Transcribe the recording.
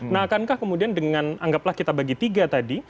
nah akankah kemudian dengan anggaplah kita bagi tiga tadi